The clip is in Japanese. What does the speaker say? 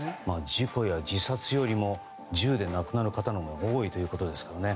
事故や自殺よりも銃で亡くなる方のほうが多いということですからね。